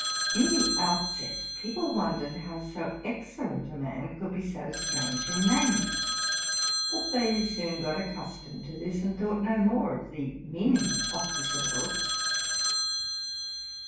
In the outset, people wondered how so excellent a man could be so strangely ramed; but they soon got accustomed to this, and thought no more of the meaning of the syllables.